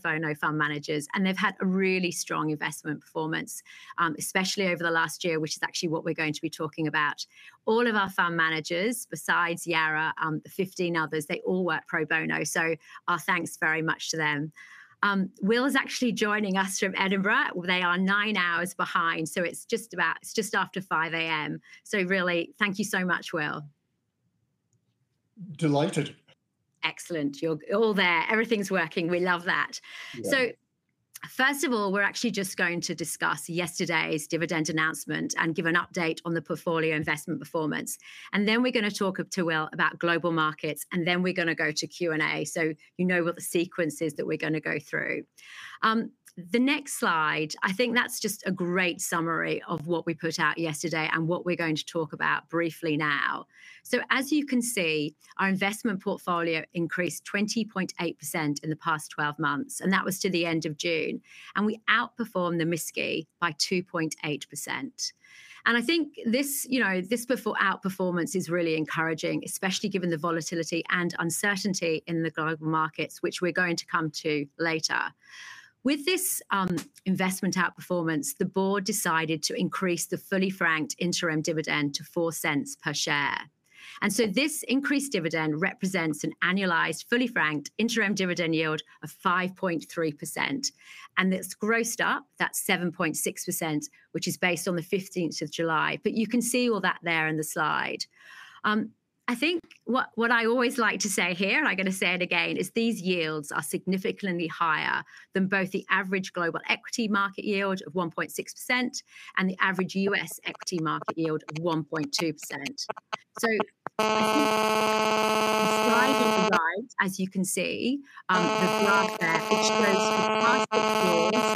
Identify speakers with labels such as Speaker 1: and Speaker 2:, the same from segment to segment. Speaker 1: Very thorough fund managers, and they've had a really strong investment performance, especially over the last year, which is actually what we're going to be talking about. All of our fund managers, besides Yarra, the 15 others, they all work pro bono. Our thanks very much to them. Will's actually joining us from Edinburgh. They are nine hours behind. It's just after 5:00 A.M. so really, thank you so much, Will.
Speaker 2: Delighted.
Speaker 1: Excellent. You're all there. Everything's working. We love that. First of all, we're actually just going to discuss yesterday's dividend announcement and give an update on the portfolio investment performance. Then we're going to talk to Will about global markets, and then we're going to go to Q&A. You know what the sequence is that we're going to go through. The next slide, I think that's just a great summary of what we put out yesterday and what we're going to talk about briefly now. As you can see, our investment portfolio increased 20.8% in the past 12 months, and that was to the end of June. We outperformed the benchmark by 2.8%. I think this outperformance is really encouraging, especially given the volatility and uncertainty in the global markets, which we're going to come to later. With this investment outperformance, the board decided to increase the fully franked interim dividend to 0.04 per share. This increased dividend represents an annualized fully franked interim dividend yield of 5.3%. It's grossed up, that's 7.6%, which is based on the 15th of July. You can see all that there in the slide. I think what I always like to say here, and I'm going to say it again, is these yields are significantly higher than both the average global equity market yield of 1.6% and the average U.S. equity market yield of 1.2%. I think the slide at the right, as you can see, the graph there, which shows for the past six years,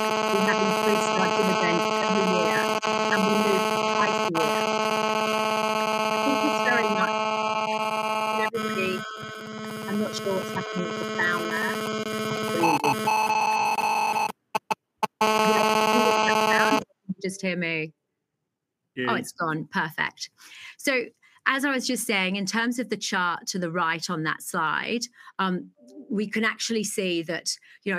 Speaker 1: we have increased our dividend every year, and we move twice a year. I think it's very nice. I'm not sure what's happening to the sound there. Just hear me. Oh, it's gone. Perfect. As I was just saying, in terms of the chart to the right on that slide, we can actually see that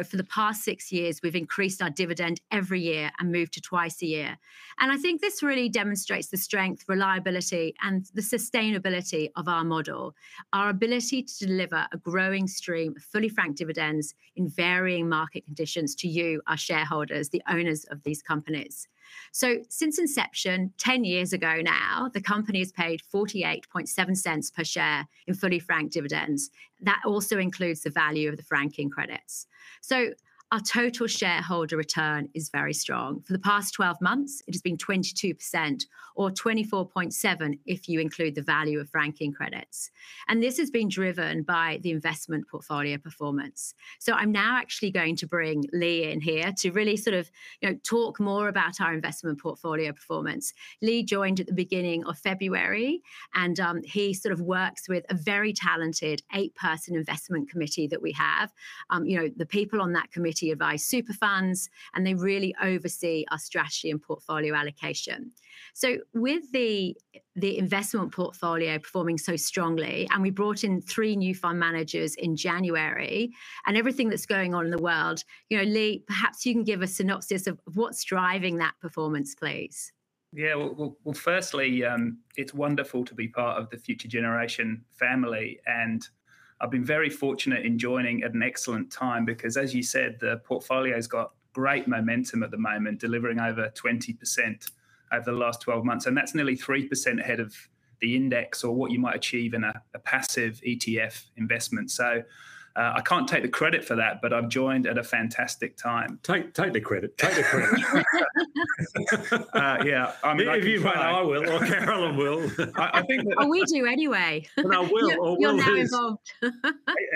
Speaker 1: for the past six years, we've increased our dividend every year and moved to twice a year. I think this really demonstrates the strength, reliability, and the sustainability of our model. Our ability to deliver a growing stream of fully franked dividends in varying market conditions to you, our shareholders, the owners of these companies. Since inception, 10 years ago now, the company has paid 0.487 per share in fully franked dividends. That also includes the value of the franking credits. Our total shareholder return is very strong. For the past 12 months, it has been 22% or 24.7% if you include the value of franking credits. This has been driven by the investment portfolio performance. I'm now actually going to bring Lee in here to really sort of talk more about our investment portfolio performance. Lee joined at the beginning of February, and he works with a very talented eight-person Investment Committee that we have. The people on that committee advise super funds, and they really oversee our strategy and portfolio allocation. With the investment portfolio performing so strongly, and we brought in three new fund managers in January, and everything that's going on in the world, Lee, perhaps you can give a synopsis of what's driving that performance, please.
Speaker 3: Yeah, firstly, it's wonderful to be part of the Future Generation family, and I've been very fortunate in joining at an excellent time because, as you said, the portfolio has got great momentum at the moment, delivering over 20% over the last 12 months, and that's nearly 3% ahead of the index or what you might achieve in a passive ETF investment. I can't take the credit for that, but I've joined at a fantastic time.
Speaker 4: Take the credit, take the credit. If you don't or I will or Caroline will.
Speaker 1: Oh, we do anyway.
Speaker 4: No, Will or Will.
Speaker 1: You're not involved.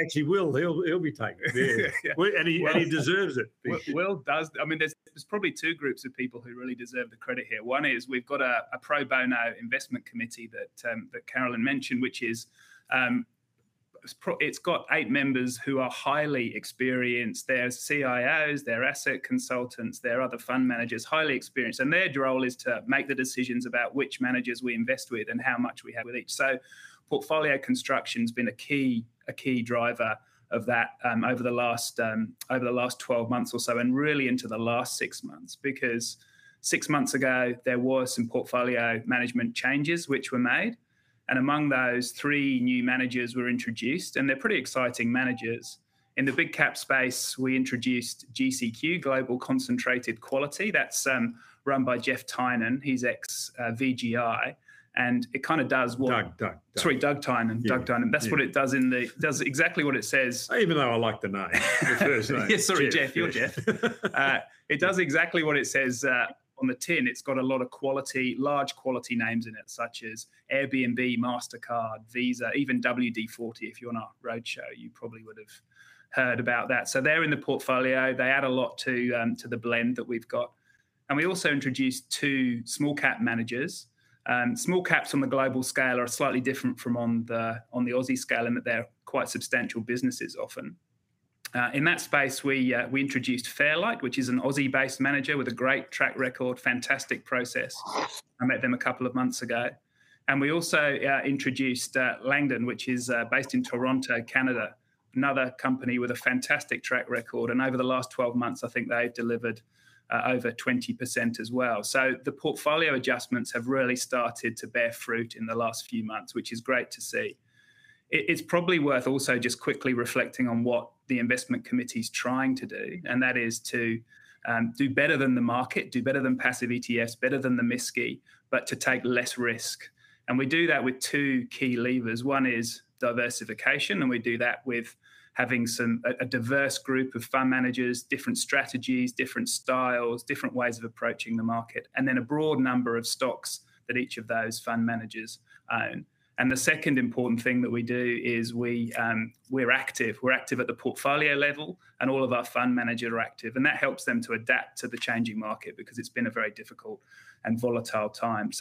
Speaker 4: Actually, Will, he'll be taking it, and he deserves it.
Speaker 3: Will does. There are probably two groups of people who really deserve the credit here. One is we've got a pro bono investment committee that Caroline mentioned, which has eight members who are highly experienced. They're CIOs, they're asset consultants, they're other fund managers, highly experienced, and their role is to make the decisions about which managers we invest with and how much we have with each. Portfolio construction has been a key driver of that over the last 12 months or so, and really into the last six months, because six months ago, there were some portfolio management changes which were made. Among those, three new managers were introduced, and they're pretty exciting managers. In the big cap space, we introduced GCQ, Global Concentrated Quality. That's run by Jeff Tynan. He's ex-VGI, and it kind of does what...
Speaker 4: Doug Tynan.
Speaker 3: Sorry, Doug Tynan. That's what it does, does exactly what it says.
Speaker 4: Even though I like the name.
Speaker 3: Sorry, Geoff, you're Geoff. It does exactly what it says on the tin. It's got a lot of quality, large quality names in it, such as Airbnb, Mastercard, Visa, even WD-40. If you're on our roadshow, you probably would have heard about that. They're in the portfolio. They add a lot to the blend that we've got. We also introduced two small cap managers. Small caps on the global scale are slightly different from on the Aussie scale in that they're quite substantial businesses often. In that space, we introduced Fairlight, which is an Aussie-based manager with a great track record, fantastic process. I met them a couple of months ago. We also introduced Langdon, which is based in Toronto, Canada, another company with a fantastic track record. Over the last 12 months, I think they've delivered over 20% as well. The portfolio adjustments have really started to bear fruit in the last few months, which is great to see. It's probably worth also just quickly reflecting on what the investment committee is trying to do, and that is to do better than the market, do better than passive ETFs, better than the risky, but to take less risk. We do that with two key levers. One is diversification, and we do that with having a diverse group of fund managers, different strategies, different styles, different ways of approaching the market, and then a broad number of stocks that each of those fund managers own. The second important thing that we do is we're active. We're active at the portfolio level, and all of our fund managers are active, and that helps them to adapt to the changing market because it's been a very difficult and volatile time.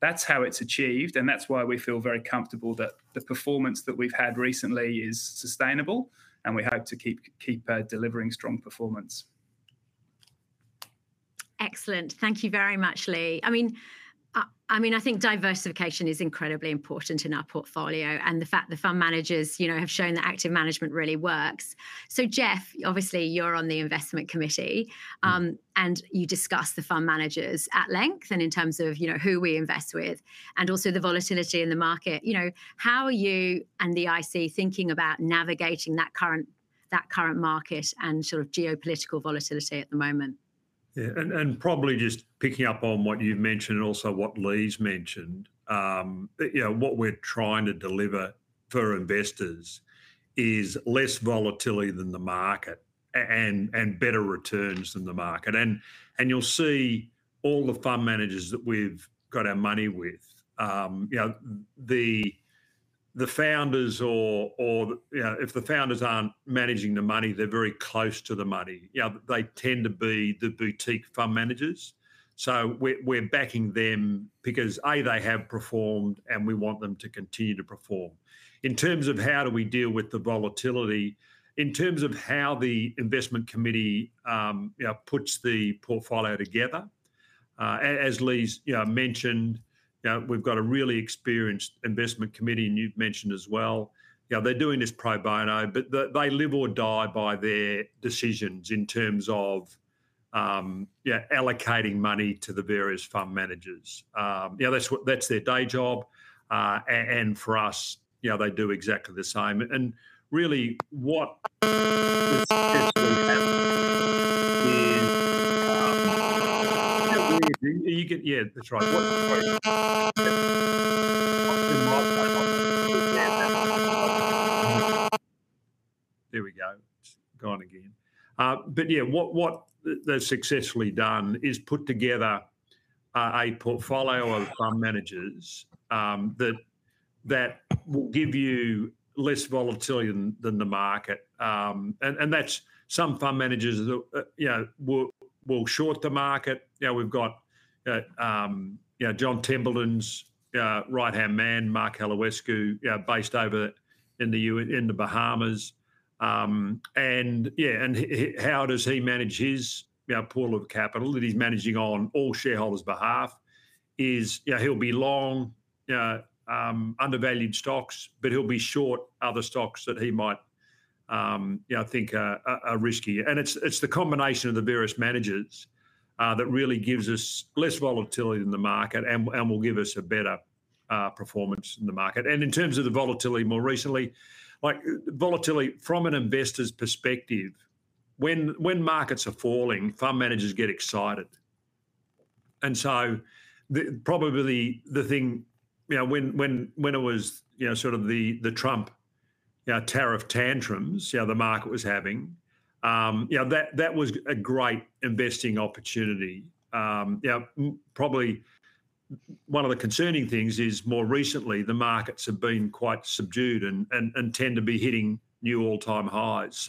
Speaker 3: That's how it's achieved, and that's why we feel very comfortable that the performance that we've had recently is sustainable, and we hope to keep delivering strong performance.
Speaker 1: Excellent. Thank you very much, Lee. I think diversification is incredibly important in our portfolio, and the fact that fund managers have shown that active management really works. Geoff, obviously, you're on the investment committee, and you discuss the fund managers at length in terms of who we invest with and also the volatility in the market. How are you and the IC thinking about navigating that current market and sort of geopolitical volatility at the moment?
Speaker 4: Yeah, and probably just picking up on what you've mentioned and also what Lee's mentioned, you know, what we're trying to deliver for investors is less volatility than the market and better returns than the market. You'll see all the fund managers that we've got our money with, you know, the founders or, you know, if the founders aren't managing the money, they're very close to the money. They tend to be the boutique fund managers. We're backing them because, A, they have performed and we want them to continue to perform. In terms of how do we deal with the volatility, in terms of how the investment committee puts the portfolio together, as Lee's mentioned, we've got a really experienced investment committee, and you've mentioned as well, they're doing this pro bono, but they live or die by their decisions in terms of allocating money to the various fund managers. That's what, that's their day job, and for us, they do exactly the same. What they've successfully done is put together a portfolio of fund managers that will give you less volatility than the market. That's some fund managers that will short the market. Now we've got John Timberland's right-hand man, Mark Holowesko, based over in the Bahamas. How he manages his pool of capital that he's managing on all shareholders' behalf is he'll be long undervalued stocks, but he'll be short other stocks that he might think are riskier. It's the combination of the various managers that really gives us less volatility than the market and will give us a better performance in the market. In terms of the volatility more recently, like volatility from an investor's perspective, when markets are falling, fund managers get excited. The thing, when it was the Trump tariff tantrums, the market was having, that was a great investing opportunity. Probably one of the concerning things is more recently the markets have been quite subdued and tend to be hitting new all-time highs.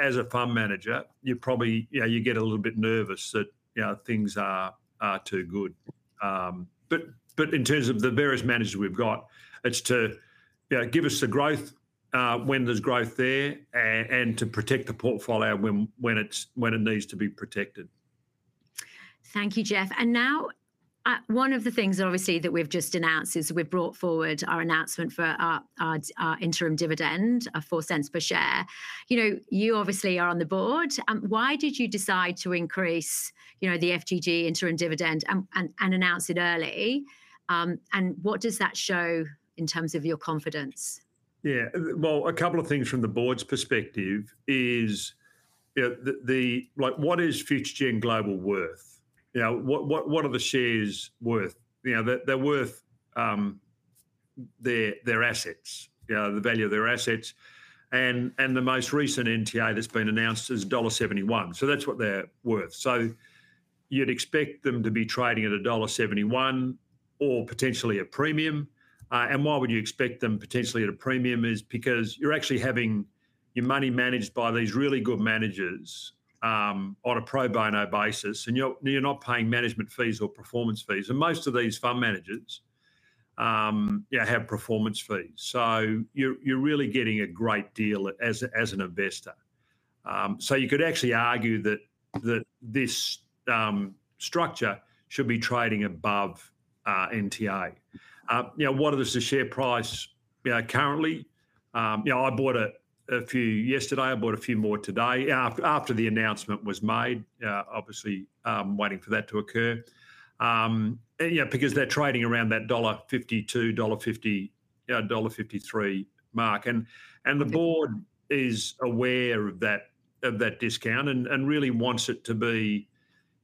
Speaker 4: As a fund manager, you probably get a little bit nervous that things are too good. In terms of the various managers we've got, it's to give us the growth when there's growth there and to protect the portfolio when it needs to be protected.
Speaker 1: Thank you, Geoff. One of the things that we've just announced is we've brought forward our announcement for our interim dividend of 0.04 per share. You are on the board. Why did you decide to increase the FGG interim dividend and announce it early? What does that show in terms of your confidence?
Speaker 4: A couple of things from the board's perspective is, you know, like what is Future Generation Australia Limited worth? You know, what are the shares worth? They're worth their assets, you know, the value of their assets. The most recent NTA that's been announced is dollar 1.71. That's what they're worth. You'd expect them to be trading at dollar 1.71 or potentially a premium. Why would you expect them potentially at a premium is because you're actually having your money managed by these really good managers on a pro bono basis, and you're not paying management fees or performance fees. Most of these fund managers have performance fees, so you're really getting a great deal as an investor. You could actually argue that this structure should be trading above NTA. You know, what is the share price currently? You know, I bought a few yesterday. I bought a few more today after the announcement was made, obviously, waiting for that to occur. You know, because they're trading around that dollar 1.52, dollar 1.50, dollar 1.53 mark. The board is aware of that discount and really wants it to be,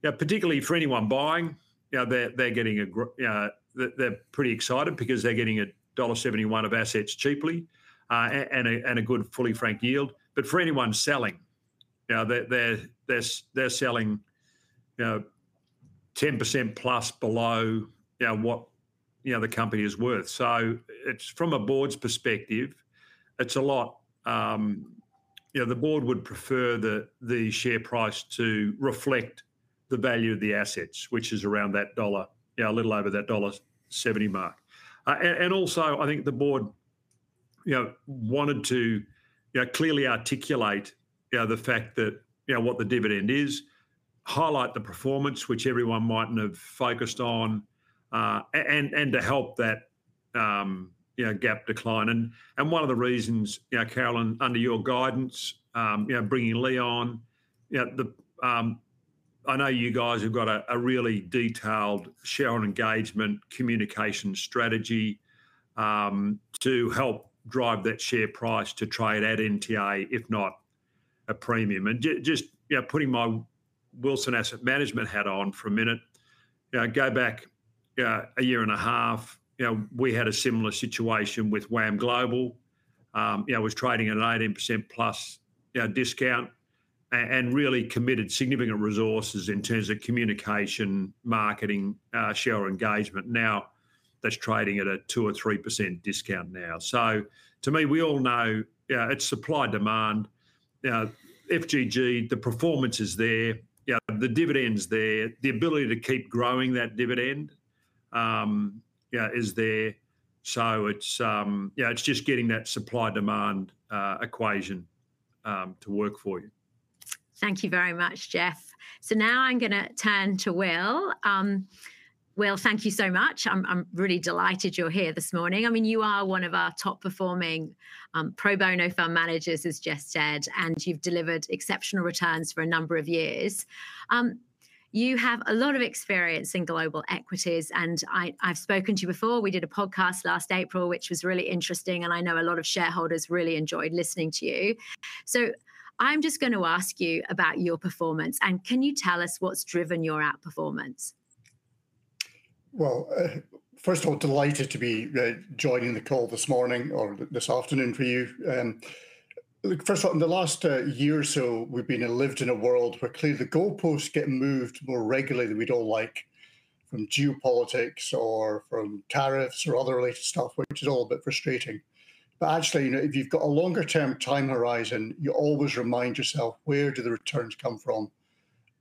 Speaker 4: particularly for anyone buying, you know, they're getting a, you know, they're pretty excited because they're getting dollar 1.71 of assets cheaply and a good fully franked yield. For anyone selling, you know, they're selling, you know, 10% plus below what the company is worth. From a board's perspective, it's a lot, you know, the board would prefer the share price to reflect the value of the assets, which is around that dollar, you know, a little over that dollar 1.70 mark. Also, I think the board wanted to clearly articulate the fact that, you know, what the dividend is, highlight the performance, which everyone might not have focused on, and to help that gap decline. One of the reasons, you know, Caroline, under your guidance, bringing Lee on, you know, I know you guys have got a really detailed shareholder engagement communication strategy to help drive that share price to trade at NTA, if not a premium. Just, you know, putting on Wilson Asset Management had on for a minute, go back, you know, a year and a half, we had a similar situation with WAM Global. It was trading at an 18% plus discount and really committed significant resources in terms of communication, marketing, shareholder engagement. Now that's trading at a 2% or 3% discount now. To me, we all know it's supply demand. FGG, the performance is there, the dividend's there, the ability to keep growing that dividend is there. It's just getting that supply demand equation to work for you.
Speaker 1: Thank you very much, Geoff. Now I'm going to turn to Will. Will, thank you so much. I'm really delighted you're here this morning. You are one of our top performing pro bono fund managers, as Geoff said, and you've delivered exceptional returns for a number of years. You have a lot of experience in global equities, and I've spoken to you before. We did a podcast last April, which was really interesting, and I know a lot of shareholders really enjoyed listening to you. I'm just going to ask you about your performance, and can you tell us what's driven your outperformance?
Speaker 2: Delighted to be joining the call this morning or this afternoon for you. In the last year or so, we've been living in a world where clearly the goalposts get moved more regularly than we'd all like from geopolitics or from tariffs or other related stuff, which is all a bit frustrating. Actually, you know, if you've got a longer-term time horizon, you always remind yourself where do the returns come from?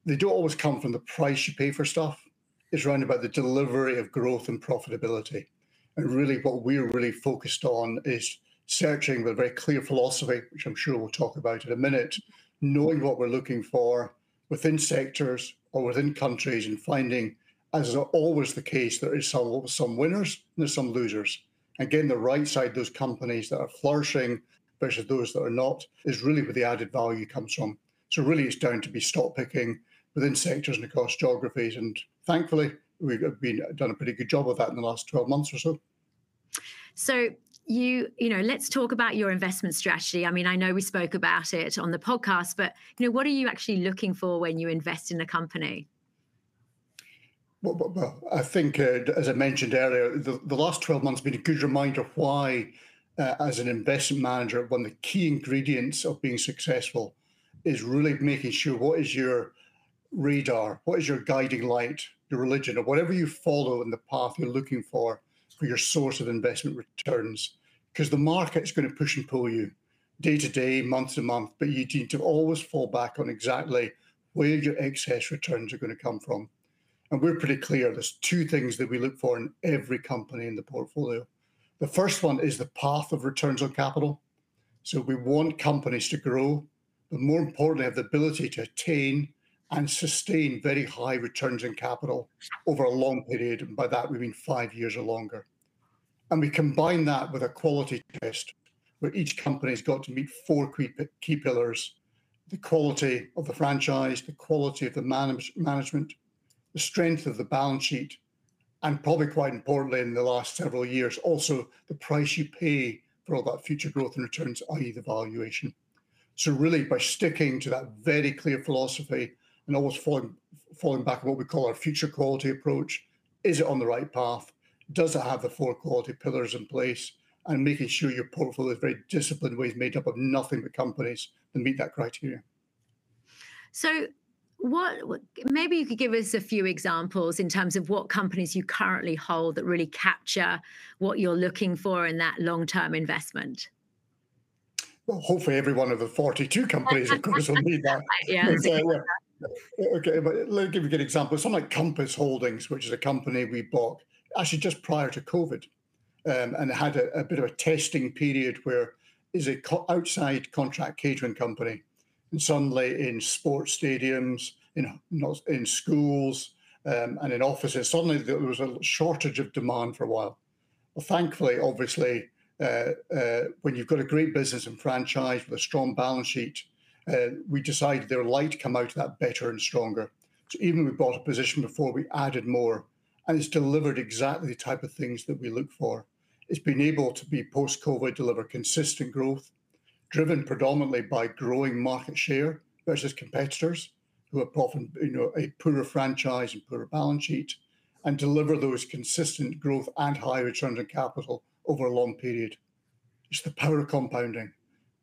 Speaker 2: They don't always come from the price you pay for stuff. It's around about the delivery of growth and profitability. What we're really focused on is searching with a very clear philosophy, which I'm sure we'll talk about in a minute, knowing what we're looking for within sectors or within countries and finding, as is always the case, there are some winners and there are some losers. Getting the right side of those companies that are flourishing versus those that are not is really where the added value comes from. Really, it's down to be stock picking within sectors and across geographies. Thankfully, we've done a pretty good job of that in the last 12 months or so.
Speaker 1: Let's talk about your investment strategy. I know we spoke about it on the podcast, but what are you actually looking for when you invest in a company?
Speaker 2: I think, as I mentioned earlier, the last 12 months have been a good reminder of why, as an investment manager, one of the key ingredients of being successful is really making sure what is your radar, what is your guiding light, your religion, or whatever you follow in the path you're looking for for your source of investment returns. The market is going to push and pull you day to day, month to month, but you need to always fall back on exactly where your excess returns are going to come from. We're pretty clear there's two things that we look for in every company in the portfolio. The first one is the path of returns on capital. We want companies to grow, but more importantly, have the ability to attain and sustain very high returns on capital over a long period, and by that, we mean five years or longer. We combine that with a quality test where each company has got to meet four key pillars: the quality of the franchise, the quality of the management, the strength of the balance sheet, and probably quite importantly in the last several years, also, the price you pay for all that future growth and returns, i.e., the valuation. By sticking to that very clear philosophy and always falling back on what we call our future quality approach, is it on the right path? Does it have the four quality pillars in place? Making sure your portfolio is very disciplined in ways made up of nothing but companies and meet that criteria.
Speaker 1: Maybe you could give us a few examples in terms of what companies you currently hold that really capture what you're looking for in that long-term investment.
Speaker 2: Hopefully, every one of the 42 companies of course will need that. Yeah, okay, let me give you a good example. Some like Compass Holdings, which is a company we bought actually just prior to COVID, and it had a bit of a testing period where it was an outside contract catering company. Suddenly, in sports stadiums, most in schools, and in offices, there was a shortage of demand for a while. Thankfully, obviously, when you've got a great business and franchise with a strong balance sheet, we decided their light came out of that better and stronger. Even we bought a position before we added more, and it's delivered exactly the type of things that we look for. It's been able to be post-COVID, deliver consistent growth, driven predominantly by growing market share versus competitors who have often, you know, a poorer franchise and poorer balance sheet and deliver those consistent growth and high returns on capital over a long period. It's the power of compounding,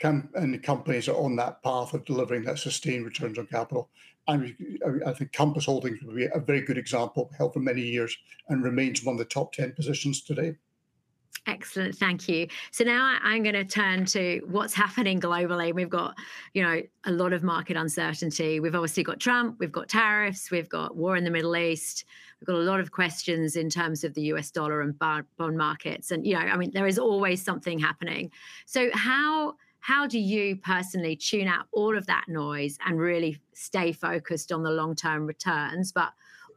Speaker 2: and the companies are on that path of delivering that sustained returns on capital. I think Compass Holdings would be a very good example of how for many years and remains one of the top 10 positions today.
Speaker 1: Excellent. Thank you. Now I'm going to turn to what's happening globally. We've got a lot of market uncertainty. We've obviously got Trump, we've got tariffs, we've got war in the Middle East. We've got a lot of questions in terms of the U.S. dollar and bond markets. I mean, there is always something happening. How do you personally tune out all of that noise and really stay focused on the long-term returns, but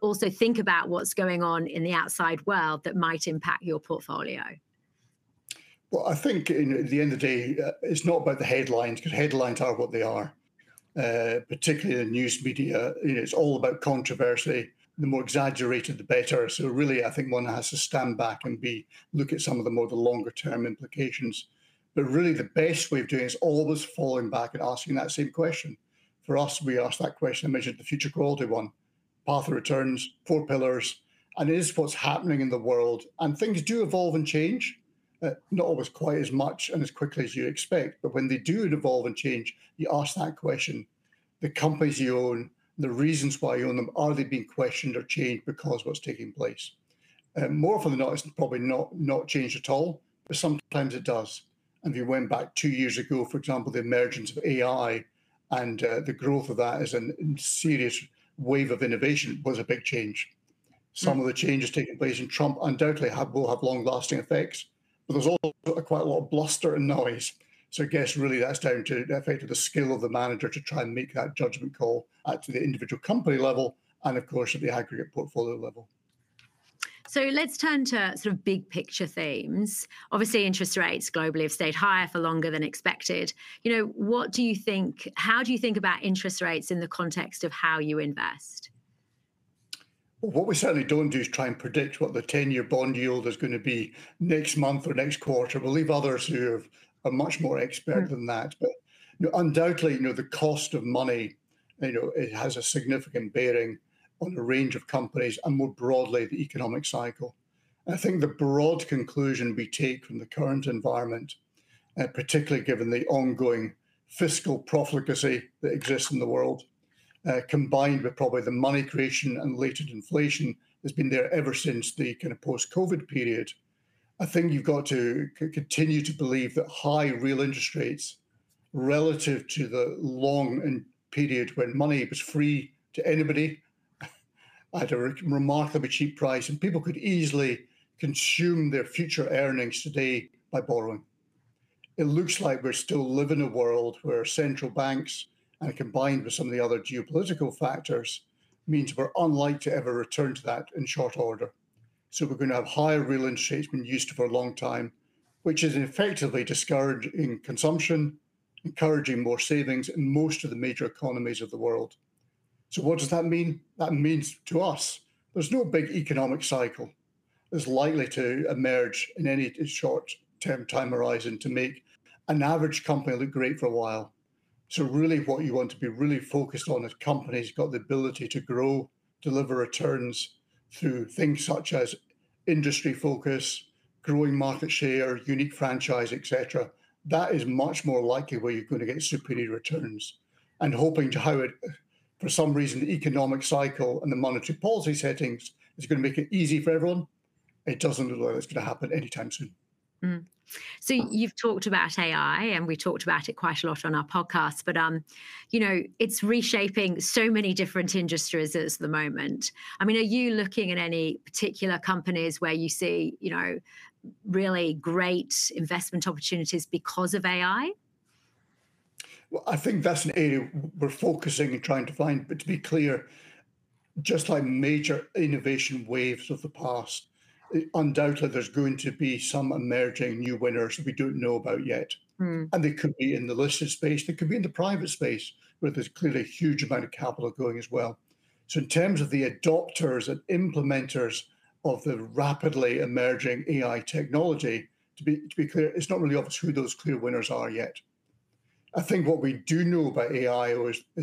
Speaker 1: also think about what's going on in the outside world that might impact your portfolio?
Speaker 2: At the end of the day, it's not about the headlines because headlines are what they are, particularly in the news media. You know, it's all about controversy. The more exaggerated, the better. I think one has to stand back and look at some of the longer-term implications. The best way of doing it is always falling back and asking that same question. For us, we ask that question and measure the future quality one, path of returns, four pillars, and it is what's happening in the world. Things do evolve and change, not always quite as much and as quickly as you expect, but when they do evolve and change, you ask that question. The companies you own, the reasons why you own them, are they being questioned or changed because of what's taking place? More often than not, it's probably not changed at all, but sometimes it does. If you went back two years ago, for example, the emergence of AI and the growth of that as a serious wave of innovation was a big change. Some of the changes taking place in Trump undoubtedly will have long-lasting effects, but there's also quite a lot of bluster and noise. I guess that's down to the effect of the skill of the manager to try and make that judgment call at the individual company level and of course at the aggregate portfolio level.
Speaker 1: Let's turn to sort of big picture themes. Obviously, interest rates globally have stayed higher for longer than expected. You know, what do you think, how do you think about interest rates in the context of how you invest?
Speaker 2: What we certainly don't do is try and predict what the 10-year bond yield is going to be next month or next quarter. We'll leave others who are much more expert than that. Undoubtedly, the cost of money has a significant bearing on a range of companies and more broadly the economic cycle. I think the broad conclusion we take from the current environment, particularly given the ongoing fiscal profligacy that exists in the world, combined with probably the money creation and latent inflation that's been there ever since the kind of post-COVID period, is that you've got to continue to believe that high real interest rates relative to the long period when money was free to anybody at a remarkably cheap price and people could easily consume their future earnings today by borrowing. It looks like we're still living in a world where central banks, combined with some of the other geopolitical factors, mean we're unlikely to ever return to that in short order. We're going to have higher real interest rates than we used to for a long time, which is effectively discouraging consumption and encouraging more savings in most of the major economies of the world. What does that mean? That means to us, there's no big economic cycle that's likely to emerge in any short-term time horizon to make an average company look great for a while. Really, what you want to be really focused on is companies that have got the ability to grow, deliver returns through things such as industry focus, growing market share, unique franchise, et cetera. That is much more likely where you're going to get superior returns. Hoping to have it, for some reason, the economic cycle and the monetary policy settings is going to make it easy for everyone. It doesn't look like it's going to happen anytime soon.
Speaker 1: You've talked about AI, and we've talked about it quite a lot on our podcast, but you know, it's reshaping so many different industries at the moment. I mean, are you looking at any particular companies where you see really great investment opportunities because of AI?
Speaker 2: I think that's an area we're focusing and trying to find, but to be clear, just like major innovation waves of the past, undoubtedly, there's going to be some emerging new winners that we don't know about yet. They could be in the listed space or in the private space where there's clearly a huge amount of capital going as well. In terms of the adopters and implementers of the rapidly emerging AI technology, to be clear, it's not really obvious who those clear winners are yet. I think what we do know about AI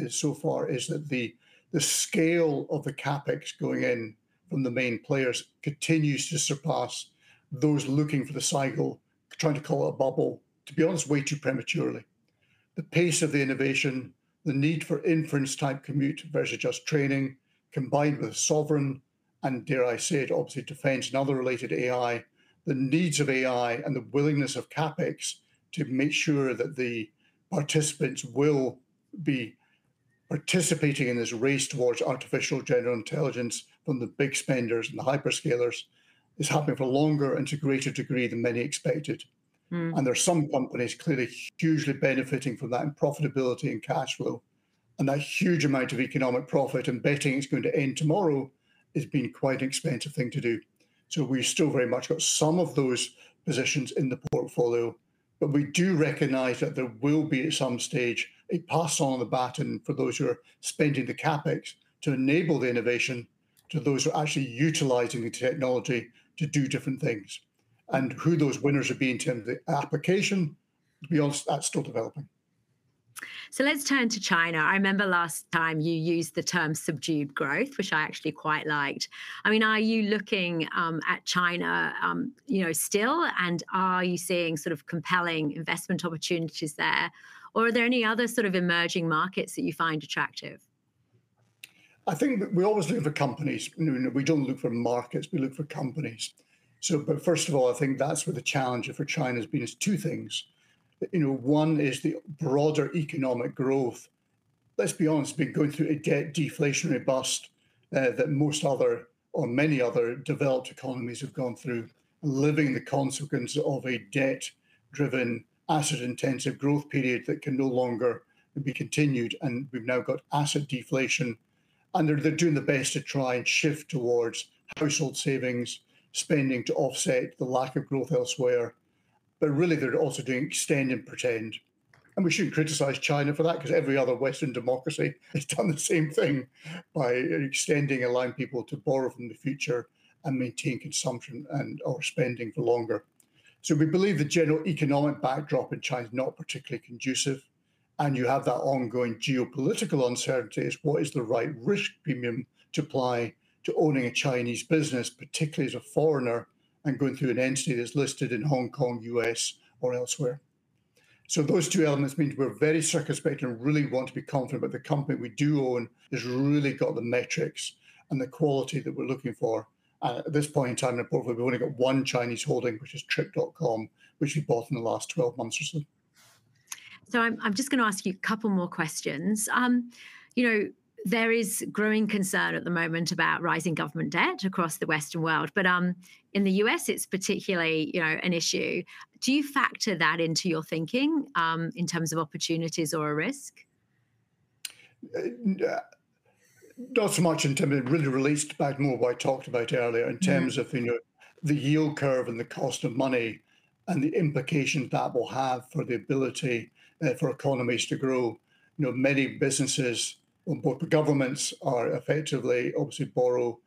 Speaker 2: so far is that the scale of the CapEx going in from the main players continues to surpass those looking for the cycle, trying to call it a bubble, to be honest, way too prematurely. The pace of the innovation, the need for inference-type compute versus just training, combined with sovereign, and dare I say it, obviously defense and other related AI, the needs of AI and the willingness of CapEx to make sure that the participants will be participating in this race towards artificial general intelligence from the big spenders and the hyperscalers is happening for a longer and to a greater degree than many expected. There are some companies clearly hugely benefiting from that in profitability and cash flow. That huge amount of economic profit and betting is going to end tomorrow has been quite an expensive thing to do. We've still very much got some of those positions in the portfolio, but we do recognize that there will be at some stage a pass-on the baton for those who are spending the CapEx to enable the innovation to those who are actually utilizing the technology to do different things. Who those winners will be in terms of the application, to be honest, that's still developing.
Speaker 1: Let's turn to China. I remember last time you used the term subdued growth, which I actually quite liked. I mean, are you looking at China, you know, still, and are you seeing sort of compelling investment opportunities there, or are there any other sort of emerging markets that you find attractive?
Speaker 2: I think that we're always looking for companies. We don't look for markets. We look for companies. First of all, I think that's where the challenge for China has been is two things. One is the broader economic growth. Let's be honest, we've gone through a debt deflationary bust that most other, or many other developed economies have gone through, living the consequence of a debt-driven asset-intensive growth period that can no longer be continued. We've now got asset deflation, and they're doing the best to try and shift towards household savings, spending to offset the lack of growth elsewhere. They're also doing extend and pretend. We shouldn't criticize China for that because every other Western democracy has done the same thing by extending and allowing people to borrow from the future and maintain consumption and/or spending for longer. We believe the general economic backdrop in China is not particularly conducive, and you have that ongoing geopolitical uncertainty as to what is the right risk premium to apply to owning a Chinese business, particularly as a foreigner, and going through an entity that's listed in Hong Kong, U.S., or elsewhere. Those two elements mean we're very circumspect and really want to be confident that the company we do own has really got the metrics and the quality that we're looking for. At this point in time in the portfolio, we've only got one Chinese holding, which is Trip.com, which we bought in the last 12 months or so.
Speaker 1: I'm just going to ask you a couple more questions. You know, there is growing concern at the moment about rising government debt across the Western world, but in the U.S. it's particularly, you know, an issue. Do you factor that into your thinking in terms of opportunities or a risk?
Speaker 2: Not so much in terms of really released back, more what I talked about earlier in terms of the yield curve and the cost of money and the implications that will have for the ability for economies to grow. Many businesses on board for governments are effectively obviously borrow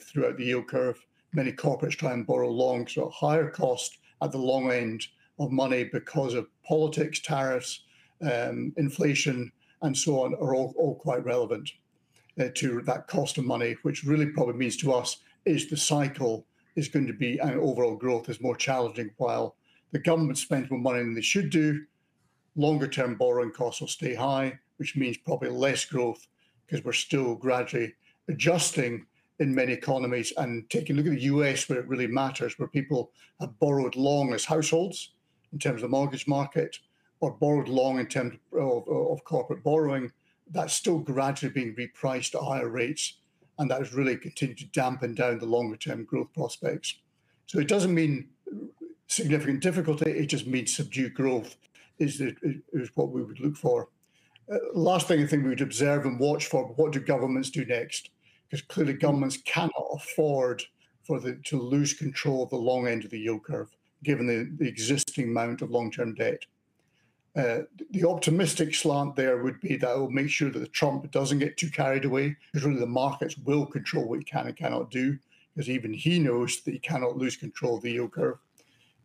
Speaker 2: throughout the yield curve. Many corporates try and borrow long, so a higher cost at the long end of money because of politics, tariffs, inflation, and so on are all quite relevant to that cost of money, which really probably means to us the cycle is going to be an overall growth is more challenging while the government spends more money than they should do. Longer-term borrowing costs will stay high, which means probably less growth because we're still gradually adjusting in many economies and taking a look at the U.S. where it really matters, where people have borrowed long as households in terms of the mortgage market or borrowed long in terms of corporate borrowing. That's still gradually being repriced at higher rates, and that has really continued to dampen down the longer-term growth prospects. It doesn't mean significant difficulty. It just means subdued growth is what we would look for. Last thing I think we would observe and watch for, what do governments do next? Clearly, governments can't afford to lose control of the long end of the yield curve, given the existing amount of long-term debt. The optimistic slant there would be that it will make sure that Trump doesn't get too carried away because really the markets will control what he can and cannot do, because even he knows that he cannot lose control of the yield curve.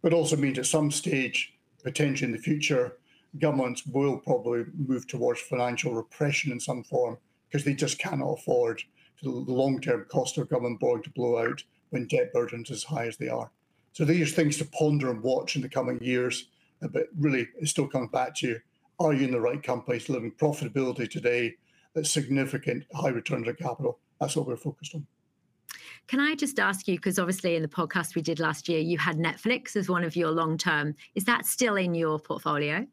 Speaker 2: It also means at some stage, potentially in the future, governments will probably move towards financial repression in some form because they just cannot afford the long-term cost of government borrowing to blow out when debt burdens as high as they are. These are things to ponder and watch in the coming years, but really it's still coming back to you. Are you in the right companies delivering profitability today at significant high returns on capital? That's what we're focused on.
Speaker 1: Can I just ask you, because obviously in the podcast we did last year, you had Netflix as one of your long-term, is that still in your portfolio?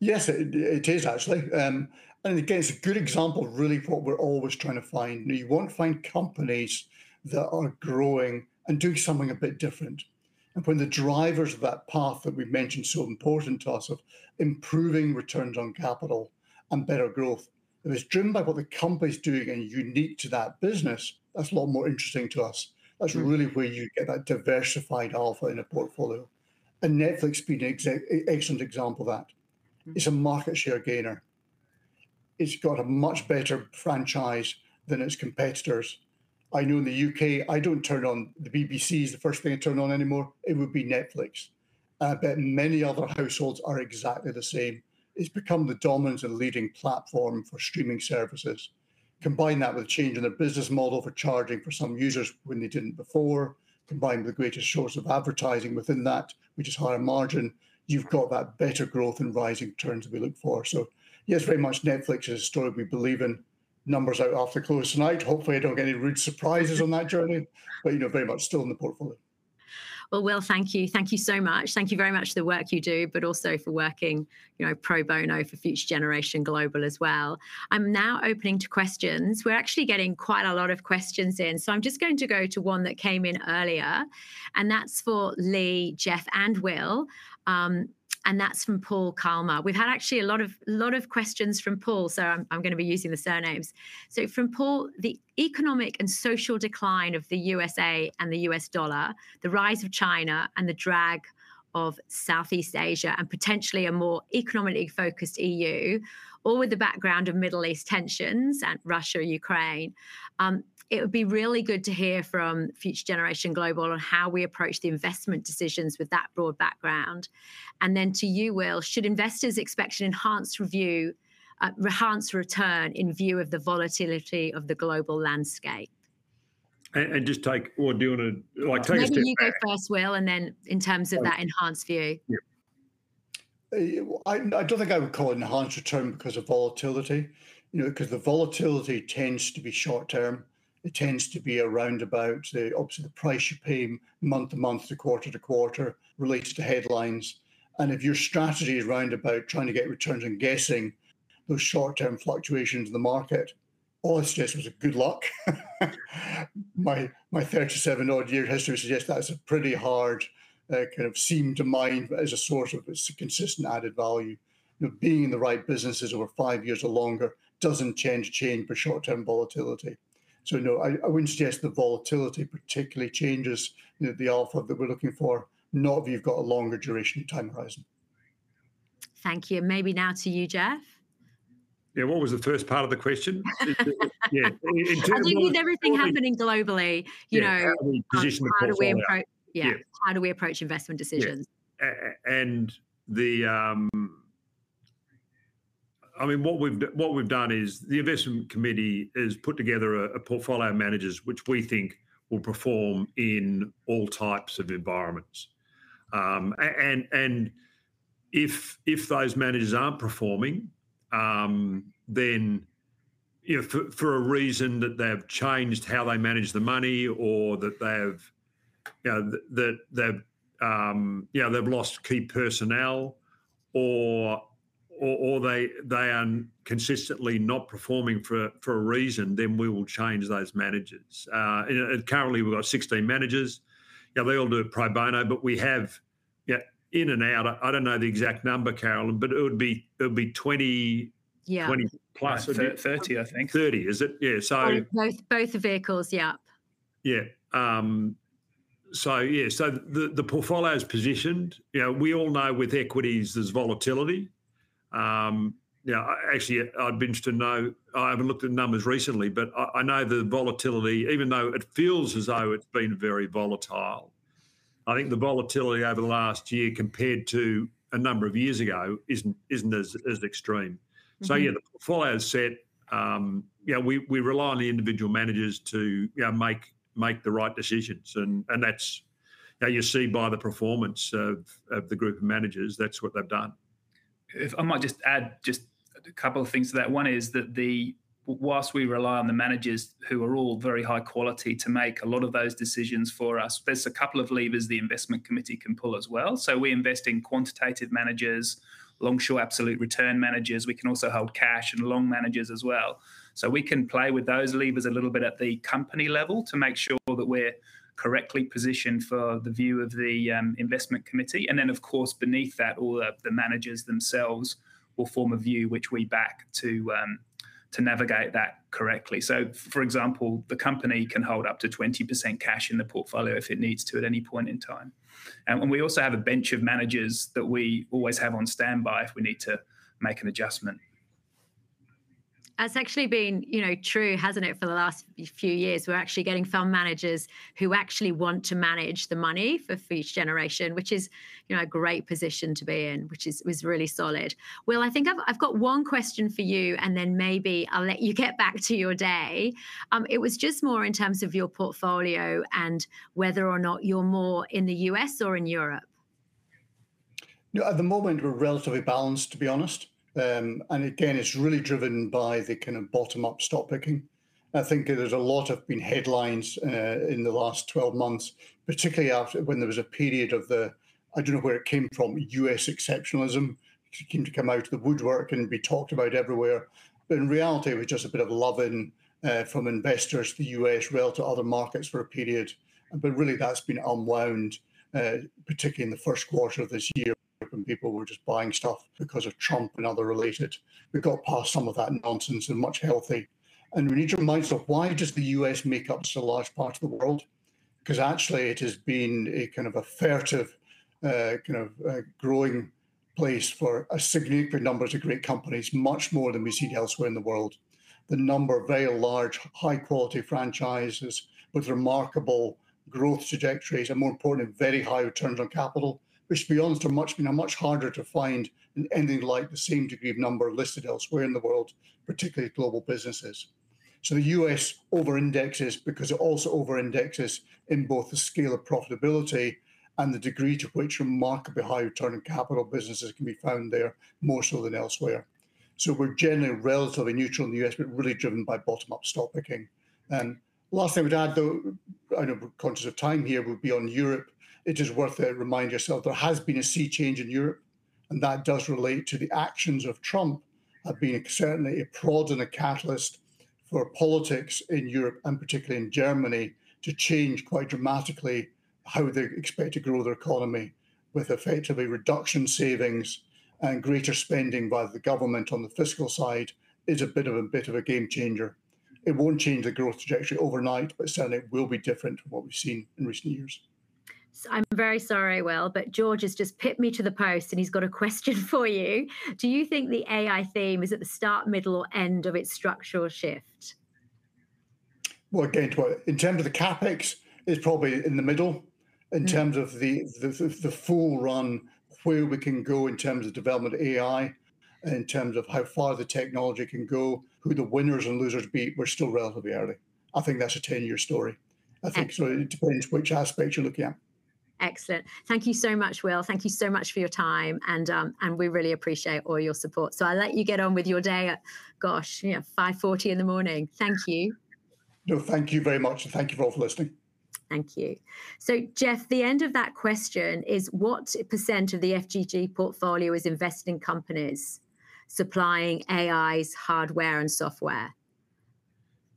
Speaker 2: Yes, it is actually. It is a good example of really what we're always trying to find. You want to find companies that are growing and doing something a bit different, and putting the drivers of that path that we mentioned, so important to us, of improving returns on capital and better growth. If it's driven by what the company is doing and unique to that business, that's a lot more interesting to us. That's really where you get that diversified alpha in a portfolio. Netflix has been an excellent example of that. It's a market share gainer. It's got a much better franchise than its competitors. I know in the U.K. I don't turn on the BBC as the first thing I turn on anymore. It would be Netflix. Many other households are exactly the same. It's become the dominant and leading platform for streaming services. Combine that with a change in the business model for charging for some users when they didn't before, combined with the greatest source of advertising within that, which is higher margin, you've got that better growth and rising returns that we look for. Yes, very much, Netflix is a story we believe in. Numbers are off the close tonight. Hopefully, I don't get any rude surprises on that journey, but you know, very much still in the portfolio.
Speaker 1: Will, thank you. Thank you so much. Thank you very much for the work you do, but also for working, you know, pro bono for Future Generation Global as well. I'm now opening to questions. We're actually getting quite a lot of questions in. I'm just going to go to one that came in earlier, and that's for Lee, Geoff, and Will. That's from Paul Kalmar. We've had actually a lot of questions from Paul, so I'm going to be using the surnames. From Paul, the economic and social decline of the U.S.A. and the U.S. dollar, the rise of China and the drag of Southeast Asia and potentially a more economically focused EU, all with the background of Middle East tensions and Russia-Ukraine. It would be really good to hear from Future Generation Global on how we approach the investment decisions with that broad background. To you, Will, should investors expect an enhanced review, enhanced return in view of the volatility of the global landscape?
Speaker 4: Do you want to take it?
Speaker 1: Can you go for us, Will, in terms of that enhanced view?
Speaker 2: I don't think I would call it enhanced return because of volatility. The volatility tends to be short term. It tends to be around about the, obviously, the price you pay month to month to quarter to quarter related to headlines. If your strategy is around about trying to get returns and guessing those short-term fluctuations in the market, all it suggests is good luck. My 37-odd-year history suggests that's a pretty hard kind of seam to mine, but as a source of, it's a consistent added value. Being in the right businesses over five years or longer doesn't change with short-term volatility. No, I wouldn't suggest the volatility particularly changes the offer that we're looking for, not if you've got a longer duration of time horizon.
Speaker 1: Thank you. Maybe now to you, Geoff.
Speaker 4: What was the first part of the question?
Speaker 1: We need everything happening globally. You know, how do we approach, yeah, how do we approach investment decisions?
Speaker 4: What we've done is the investment committee has put together a portfolio of managers, which we think will perform in all types of environments. If those managers aren't performing, for a reason that they've changed how they manage the money or that they've lost key personnel or they aren't consistently not performing for a reason, then we will change those managers. Currently we've got 16 managers. They all do it pro bono, but we have, in and out, I don't know the exact number, Caroline, but it would be 20, 20 plus.
Speaker 3: It'd be 30, I think.
Speaker 4: 30, is it?
Speaker 3: Yeah.
Speaker 1: Both the vehicles. Yep.
Speaker 4: Yeah, the portfolio is positioned. We all know with equities there's volatility. I'd be interested to know, I haven't looked at the numbers recently, but I know the volatility, even though it feels as though it's been very volatile, I think the volatility over the last year compared to a number of years ago isn't as extreme. The portfolio is set. We rely on the individual managers to make the right decisions. That's what you see by the performance of the group of managers, that's what they've done.
Speaker 3: If I might just add a couple of things to that. One is that whilst we rely on the managers who are all very high quality to make a lot of those decisions for us, there's a couple of levers the investment committee can pull as well. We invest in quantitative managers, long-short absolute return managers. We can also hold cash and long managers as well. We can play with those levers a little bit at the company level to make sure that we're correctly positioned for the view of the investment committee. Of course, beneath that, all the managers themselves will form a view which we back to, to navigate that correctly. For example, the company can hold up to 20% cash in the portfolio if it needs to at any point in time. We also have a bench of managers that we always have on standby if we need to make an adjustment.
Speaker 1: That's actually been true, hasn't it, for the last few years. We're actually getting fund managers who want to manage the money for Future Generation, which is a great position to be in, which is really solid. Will, I think I've got one question for you, and then maybe I'll let you get back to your day. It was just more in terms of your portfolio and whether or not you're more in the U.S. or in Europe.
Speaker 2: At the moment, we're relatively balanced, to be honest. It's really driven by the kind of bottom-up stock picking. I think there's a lot of headlines in the last 12 months, particularly after when there was a period of the, I don't know where it came from, U.S. exceptionalism. It seemed to come out of the woodwork and be talked about everywhere. In reality, it was just a bit of loving from investors to the U.S. relative to other markets for a period. That's been unwound, particularly in the first quarter of this year when people were just buying stuff because of Trump and other related. We got past some of that nonsense in much healthy. We need to remind ourselves why does the U.S. make up such a large part of the world? Because actually, it has been a kind of affirmative, kind of, growing place for a significant number of great companies, much more than we see elsewhere in the world. The number of very large, high-quality franchises with remarkable growth trajectories and, more importantly, very high returns on capital, which, to be honest, are much, you know, much harder to find in anything like the same degree of number listed elsewhere in the world, particularly global businesses. The U.S. over-indexes because it also over-indexes in both the scale of profitability and the degree to which remarkably high return in capital businesses can be found there more so than elsewhere. We're generally relatively neutral in the U.S., but really driven by bottom-up stock picking. Last thing I would add, though, I know we're conscious of time here, will be on Europe. It is worth a reminder to yourself, there has been a sea change in Europe, and that does relate to the actions of Trump. I've been certainly a prod and a catalyst for politics in Europe and particularly in Germany to change quite dramatically how they expect to grow their economy with effectively reduction savings and greater spending by the government on the fiscal side is a bit of a game changer. It won't change the growth trajectory overnight, but certainly it will be different from what we've seen in recent years.
Speaker 1: I'm very sorry, Will, but George has just pipped me to the post and he's got a question for you. Do you think the AI theme is at the start, middle, or end of its structural shift?
Speaker 2: In terms of the CapEx, it's probably in the middle. In terms of the full run, where we can go in terms of development of AI, in terms of how far the technology can go, who the winners and losers be, we're still relatively early. I think that's a 10-year story. I think so. It depends which aspect you're looking at.
Speaker 1: Excellent. Thank you so much, Will. Thank you so much for your time, and we really appreciate all your support. I'll let you get on with your day at, gosh, you know, 5:40 A.M. Thank you.
Speaker 2: No, thank you very much, and thank you all for listening.
Speaker 1: Thank you. Geoff, the end of that question is what percent of the FGG portfolio is invested in companies supplying AI's hardware and software?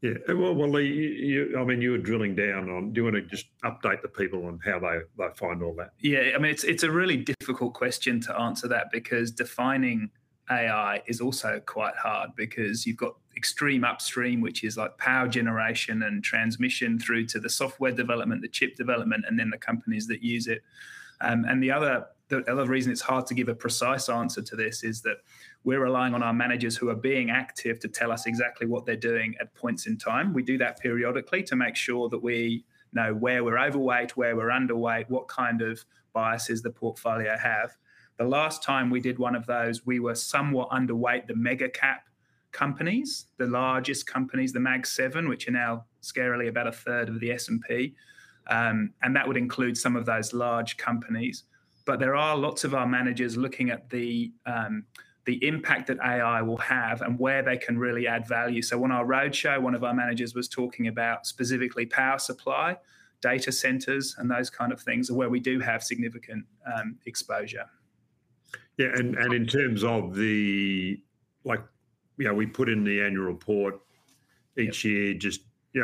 Speaker 4: Lee, I mean, you were drilling down on, do you want to just update the people on how they find all that?
Speaker 3: Yeah, I mean, it's a really difficult question to answer because defining AI is also quite hard because you've got extreme upstream, which is like power generation and transmission through to the software development, the chip development, and then the companies that use it. The other reason it's hard to give a precise answer to this is that we're relying on our managers who are being active to tell us exactly what they're doing at points in time. We do that periodically to make sure that we know where we're overweight, where we're underweight, what kind of biases the portfolio has. The last time we did one of those, we were somewhat underweight the mega-cap companies, the largest companies, the Mag Seven, which are now scarily about a third of the S&P. That would include some of those large companies. There are lots of our managers looking at the impact that AI will have and where they can really add value. On our roadshow, one of our managers was talking about specifically power supply, data centers, and those kinds of things where we do have significant exposure.
Speaker 4: In terms of the, like, we put in the annual report each year,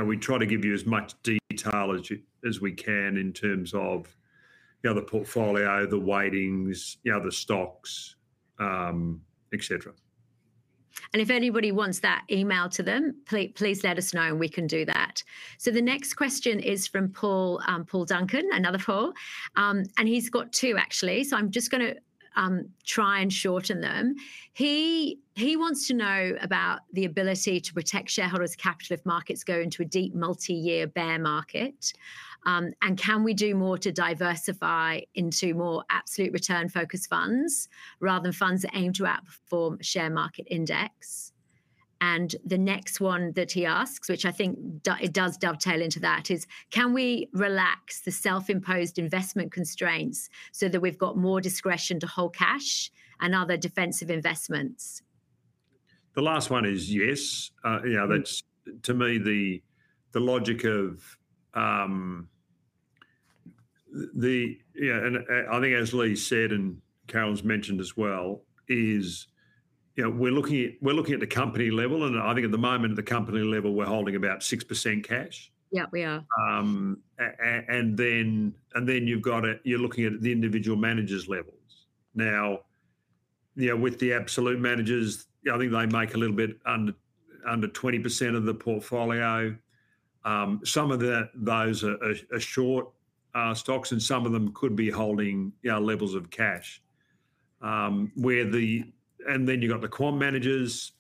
Speaker 4: we try to give you as much detail as we can in terms of the portfolio, the weightings, the stocks, et cetera.
Speaker 1: If anybody wants that emailed to them, please let us know and we can do that. The next question is from Paul, Paul Duncan, another Paul, and he's got two, actually. I'm just going to try and shorten them. He wants to know about the ability to protect shareholders' capital if markets go into a deep multi-year bear market. Can we do more to diversify into more absolute return-focused funds rather than funds that aim to outperform a share market index? The next one that he asks, which I think does dovetail into that, is can we relax the self-imposed investment constraints so that we've got more discretion to hold cash and other defensive investments?
Speaker 4: The last one is yes. That's to me the logic of, you know, and I think as Lee said and Caroline's mentioned as well, we're looking at the company level, and I think at the moment at the company level, we're holding about 6% cash.
Speaker 1: Yeah, we are.
Speaker 4: You're looking at the individual managers' level. Now, with the absolute managers, I think they make a little bit under 20% of the portfolio. Some of those are short stocks, and some of them could be holding levels of cash. Then you've got the core managers.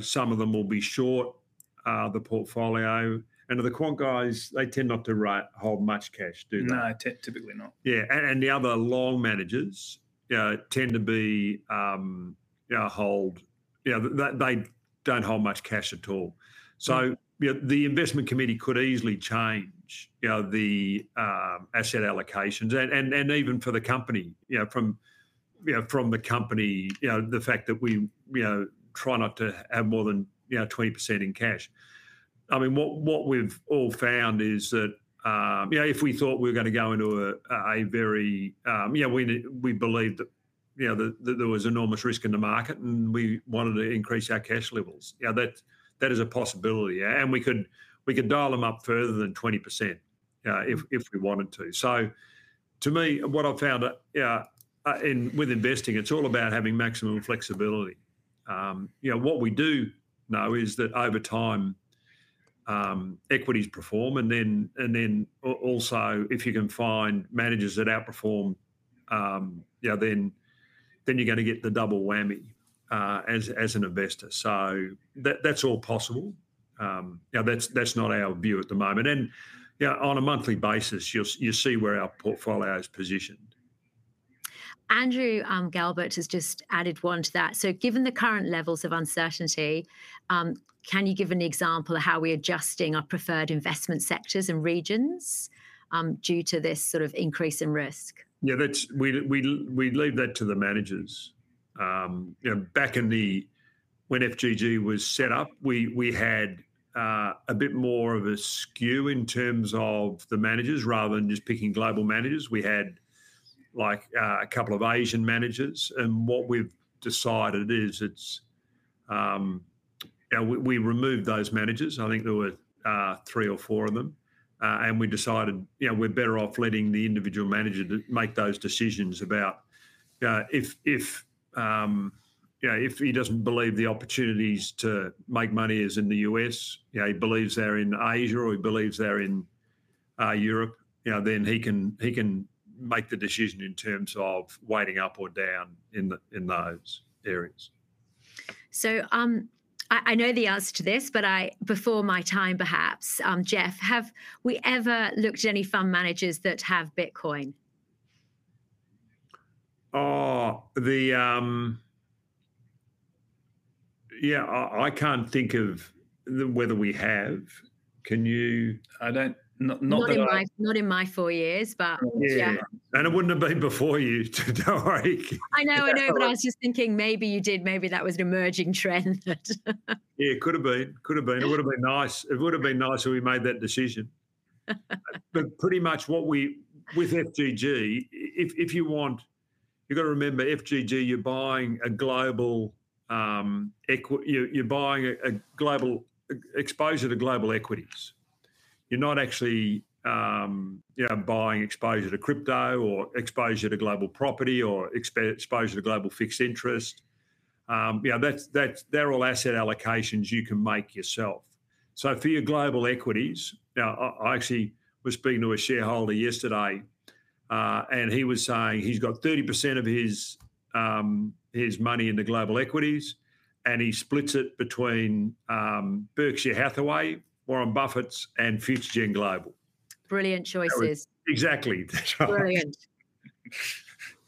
Speaker 4: Some of them will be short the portfolio, and the quant guys tend not to hold much cash, do they?
Speaker 3: No, typically not.
Speaker 4: Yeah, the other law managers tend to hold, they don't hold much cash at all. The investment committee could easily change the asset allocations, and even for the company, the fact that we try not to have more than 20% in cash. I mean, what we've all found is that if we thought we were going to go into a very, we believe that there was enormous risk in the market and we wanted to increase our cash levels, that is a possibility. We could dial them up further than 20% if we wanted to. To me, what I've found with investing, it's all about having maximum flexibility. What we do know is that over time, equities perform. Also, if you can find managers that outperform, then you're going to get the double whammy as an investor. That's all possible. That's not our view at the moment. On a monthly basis, you'll see where our portfolio is positioned.
Speaker 1: Andrew, Gilbert has just added one to that. Given the current levels of uncertainty, can you give an example of how we're adjusting our preferred investment sectors and regions, due to this sort of increase in risk?
Speaker 4: Yeah, we leave that to the managers. Back when FGG was set up, we had a bit more of a skew in terms of the managers rather than just picking global managers. We had a couple of Asian managers. We decided to remove those managers. I think there were three or four of them. We decided we're better off letting the individual manager make those decisions about, you know, if he doesn't believe the opportunities to make money are in the U.S., he believes they're in Asia or he believes they're in Europe, then he can make the decision in terms of weighting up or down in those areas.
Speaker 1: I know the answer to this, but before my time, perhaps, Geoff, have we ever looked at any fund managers that have Bitcoin?
Speaker 4: Oh, yeah, I can't think of whether we have. I don't,
Speaker 1: Not that I, not in my four years, but yeah.
Speaker 4: It wouldn't have been before you, don't worry.
Speaker 1: I was just thinking maybe you did, maybe that was an emerging trend.
Speaker 4: Yeah, it could have been, it would have been nice if we made that decision. Pretty much with FGG, you've got to remember FGG, you're buying a global exposure to global equities. You're not actually buying exposure to crypto or exposure to global property or exposure to global fixed interest. Those are all asset allocations you can make yourself. For your global equities, I actually was speaking to a shareholder yesterday, and he was saying he's got 30% of his money in the global equities and he splits it between Berkshire Hathaway, Warren Buffett's, and Future Gen Global.
Speaker 1: Brilliant choices.
Speaker 4: Exactly.
Speaker 1: Brilliant.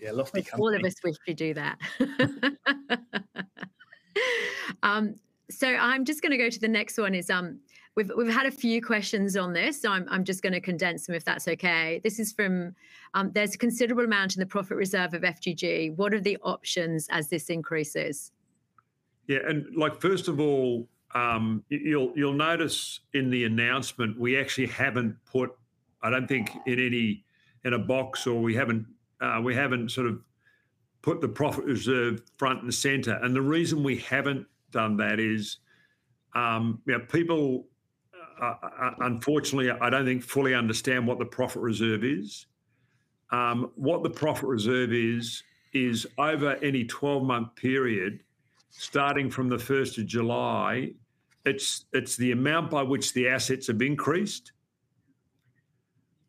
Speaker 4: Yeah, lots to come.
Speaker 1: All of us wish we could do that. I'm just going to go to the next one. We've had a few questions on this. I'm just going to condense them if that's okay. This is from, there's a considerable amount in the profit reserve of FGG. What are the options as this increases?
Speaker 4: Yeah, first of all, you'll notice in the announcement we actually haven't put, I don't think, in any, in a box or we haven't sort of put the profit reserve front and center. The reason we haven't done that is, you know, people, unfortunately, I don't think fully understand what the profit reserve is. What the profit reserve is, is over any 12-month period, starting from the 1st of July, it's the amount by which the assets have increased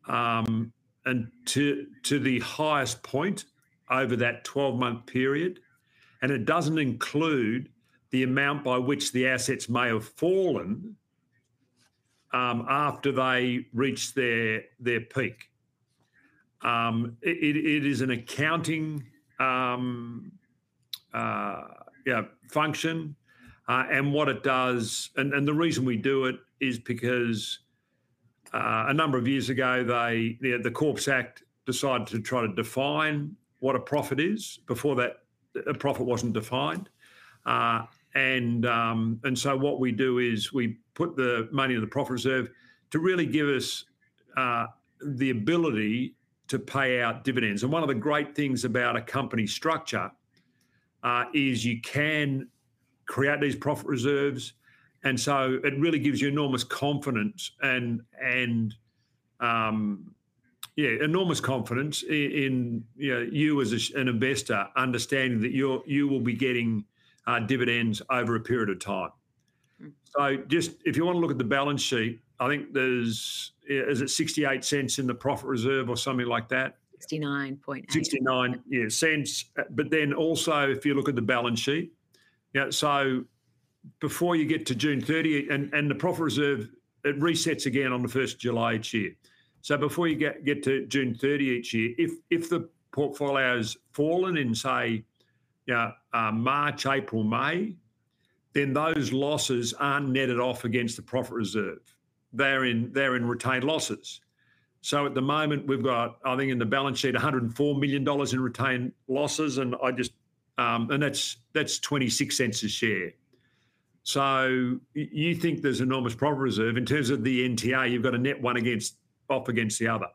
Speaker 4: to the highest point over that 12-month period. It doesn't include the amount by which the assets may have fallen after they reach their peak. It is an accounting function. The reason we do it is because a number of years ago, the Corps Act decided to try to define what a profit is. Before that, a profit wasn't defined. What we do is we put the money in the profit reserve to really give us the ability to pay out dividends. One of the great things about a company structure is you can create these profit reserves. It really gives you enormous confidence in you as an investor understanding that you will be getting dividends over a period of time.. If you want to look at the balance sheet, I think there's, yeah, is it 0.68 in the profit reserve or something like that?
Speaker 1: 0.69
Speaker 4: 0.69, yeah, cents. If you look at the balance sheet, before you get to June 30, and the profit reserve, it resets again on 1st of July each year. Before you get to June 30 each year, if the portfolio has fallen in, say, March, April, May, then those losses aren't netted off against the profit reserve. They're in retained losses. At the moment, we've got, I think in the balance sheet, 104 million dollars in retained losses. That's 0.26 a share. You think there's enormous profit reserve in terms of the NTA. You've got to net one against the other.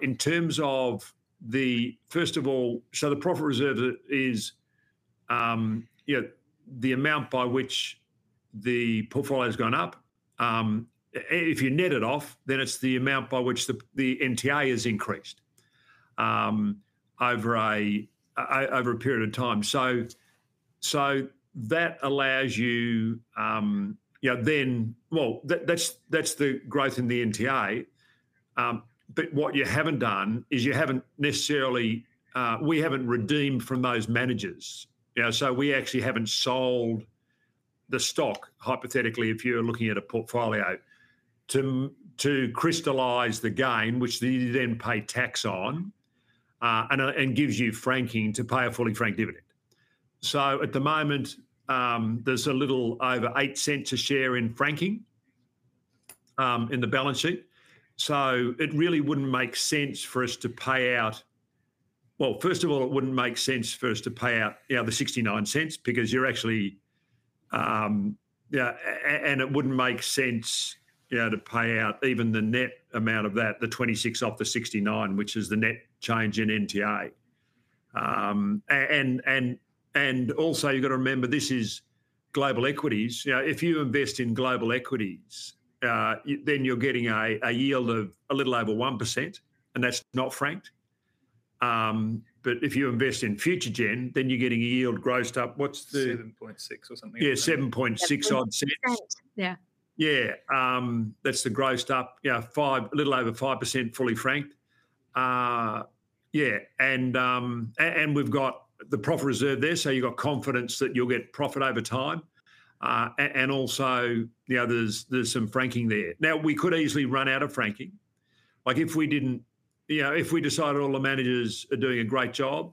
Speaker 4: In terms of the, first of all, the profit reserve is the amount by which the portfolio has gone up. If you net it off, then it's the amount by which the NTA has increased over a period of time. That allows you, that's the growth in the NTA. What you haven't done is you haven't necessarily, we haven't redeemed from those managers. We actually haven't sold the stock, hypothetically, if you're looking at a portfolio, to crystallize the gain, which they then pay tax on, and gives you franking to pay a fully franked dividend. At the moment, there's a little over 0.08 a share in franking in the balance sheet. It really wouldn't make sense for us to pay out, first of all, it wouldn't make sense for us to pay out the 0.69 because you're actually, yeah, and it wouldn't make sense to pay out even the net amount of that, the 0.26 off the 0.69, which is the net change in NTA. Also, you've got to remember this is global equities. If you invest in global equities, then you're getting a yield of a little over 1%, and that's not franked. If you invest in Future Gen, then you're getting a yield grossed up, what's the
Speaker 3: 0.076 or something?
Speaker 4: Yeah, 0.076 odd cents. Yeah. That's the grossed up, you know, five, a little over 5% fully franked. We've got the profit reserve there, so you've got confidence that you'll get profit over time. Also, there's some franking there. We could easily run out of franking. If we didn't, you know, if we decided all the managers are doing a great job,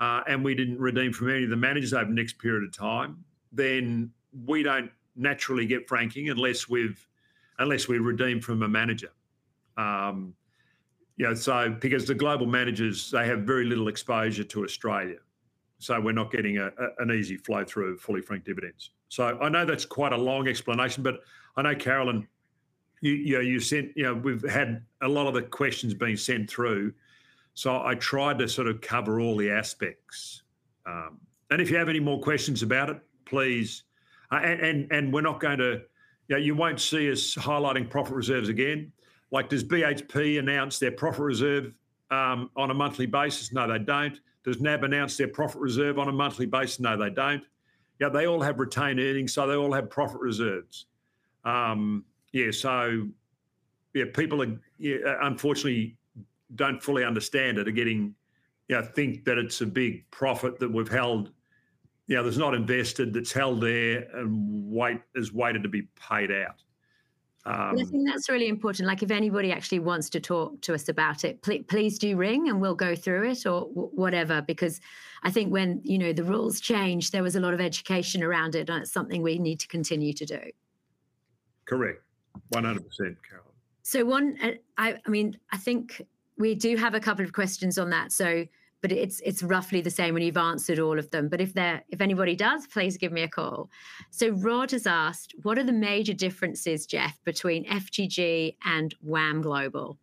Speaker 4: and we didn't redeem from any of the managers over the next period of time, then we don't naturally get franking unless we redeem from a manager. You know, because the global managers, they have very little exposure to Australia. We're not getting an easy flow through fully franked dividends. I know that's quite a long explanation, but I know Caroline, you, you know, you sent, you know, we've had a lot of the questions being sent through. I tried to sort of cover all the aspects. If you have any more questions about it, please, and we're not going to, you know, you won't see us highlighting profit reserves again. Does BHP announce their profit reserve on a monthly basis? No, they don't. Does NAB announce their profit reserve on a monthly basis? No, they don't. They all have retained earnings, so they all have profit reserves. People unfortunately don't fully understand it. They're getting, you know, think that it's a big profit that we've held, you know, that's not invested, that's held there, and is waiting to be paid out.
Speaker 1: Yeah, I think that's really important. If anybody actually wants to talk to us about it, please do ring and we'll go through it or whatever, because I think when the rules changed, there was a lot of education around it, and it's something we need to continue to do.
Speaker 4: Correct. 100% Caroline.
Speaker 1: I think we do have a couple of questions on that. It's roughly the same when you've answered all of them. If anybody does, please give me a call. Rod has asked, what are the major differences, Geoff, between FGG and WAM Global?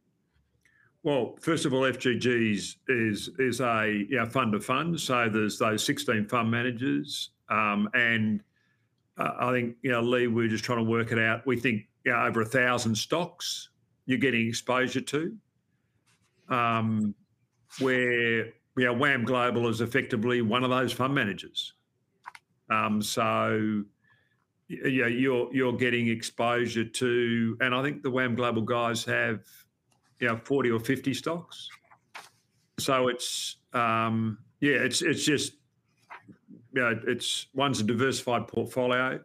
Speaker 4: FGG is a fund of funds. There are those 16 fund managers, and I think, Lee, we're just trying to work it out. We think over a thousand stocks you're getting exposure to, where WAM Global is effectively one of those fund managers. You're getting exposure to, and I think the WAM Global guys have 40 or 50 stocks. It's just, you know, one's a diversified portfolio,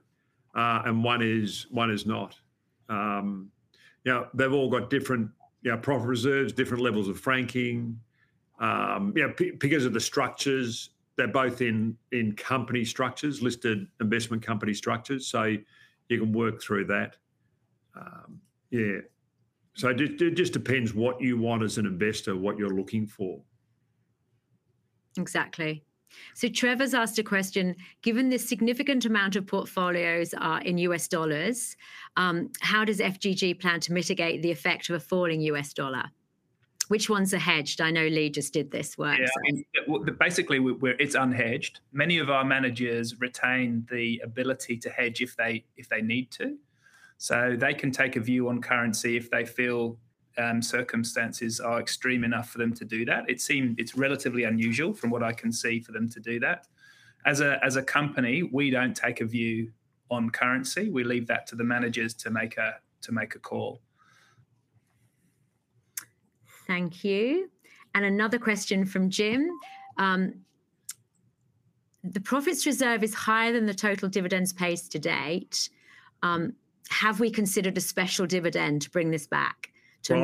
Speaker 4: and one is not. They've all got different profit reserves, different levels of franking, because of the structures. They're both in company structures, listed investment company structures, so you can work through that. It just depends what you want as an investor, what you're looking for.
Speaker 1: Exactly. Trevor's asked a question, given this significant amount of portfolios are in U.S. dollars, how does FGG plan to mitigate the effect of a falling U.S. dollar? Which ones are hedged? I know Lee just did this work.
Speaker 3: Yeah, basically it's unhedged. Many of our managers retain the ability to hedge if they need to. They can take a view on currency if they feel circumstances are extreme enough for them to do that. It seems it's relatively unusual from what I can see for them to do that. As a company, we don't take a view on currency. We leave that to the managers to make a call.
Speaker 1: Thank you. Another question from Jim. The profit reserve is higher than the total dividends paid to date. Have we considered a special dividend to bring this back to?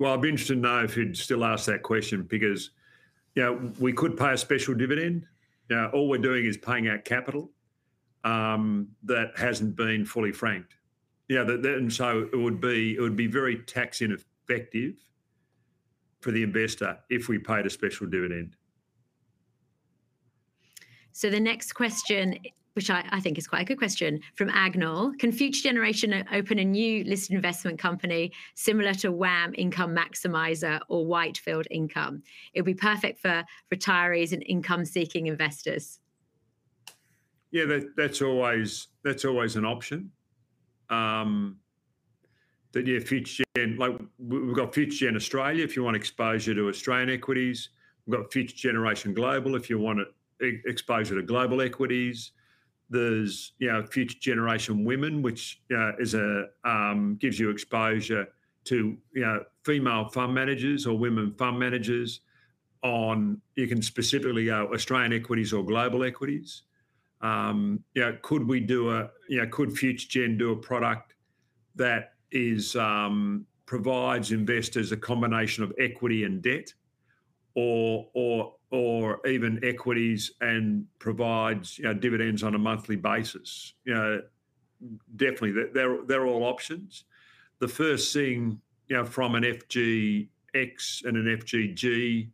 Speaker 4: I'd be interested to know if you'd still ask that question because, you know, we could pay a special dividend. You know, all we're doing is paying out capital that hasn't been fully franked. Yeah, and it would be very tax ineffective for the investor if we paid a special dividend.
Speaker 1: The next question, which I think is quite a good question, from Agnell, can Future Generation open a new listed investment company similar to WAM Income Maximizer or Whitefield Income? It'd be perfect for retirees and income-seeking investors.
Speaker 4: Yeah, that's always an option. You have Future Gen Australia if you want exposure to Australian equities. We've got Future Generation Global if you want exposure to global equities. There's Future Generation Women, which gives you exposure to female fund managers or women fund managers. You can specifically go Australian equities or global equities. Could Future Gen do a product that provides investors a combination of equity and debt, or even equities and provides dividends on a monthly basis? Definitely, they're all options. The first thing from an FGI and an FGG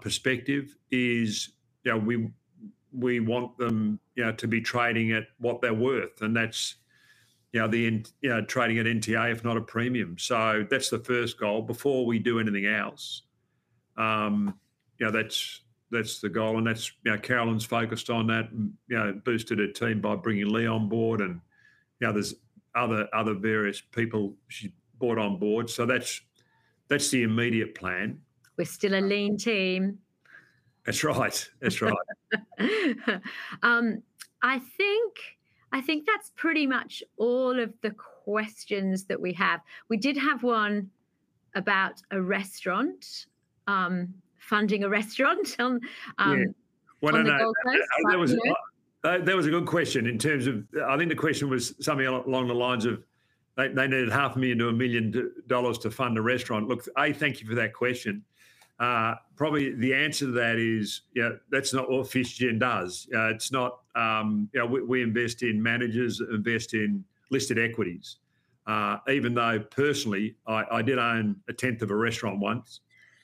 Speaker 4: perspective is we want them to be trading at what they're worth, and that's trading at NTA, if not a premium. That's the first goal before we do anything else. That's the goal, and that's Caroline's focused on that and boosted a team by bringing Lee on board. There are other various people she's brought on board. That's the immediate plan.
Speaker 1: We're still a lean team.
Speaker 4: That's right. That's right.
Speaker 1: I think that's pretty much all of the questions that we have. We did have one about a restaurant, funding a restaurant on, yeah, one and a half years.
Speaker 4: That was a good question in terms of, I think the question was something along the lines of they needed AUD 500,000 to 1 million dollars to fund a restaurant. I thank you for that question. Probably the answer to that is, you know, that's not what Future Gen does. It's not, you know, we invest in managers that invest in listed equities. Even though personally, I did own a tenth of a restaurant once,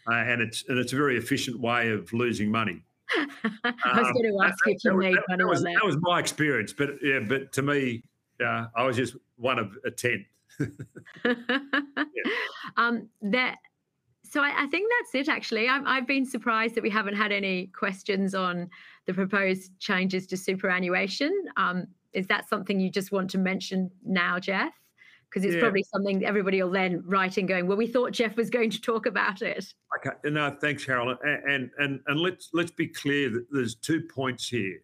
Speaker 4: and it's a very efficient way of losing money.
Speaker 1: I was going to ask you if you made money on that.
Speaker 4: That was my experience, but to me, I was just one of a tenth.
Speaker 1: I think that's it actually. I've been surprised that we haven't had any questions on the proposed changes to superannuation. Is that something you just want to mention now, Geoff? Because it's probably something everybody will then write in going, we thought Geoff was going to talk about it.
Speaker 4: No, thanks Caroline. Let's be clear that there are two points here.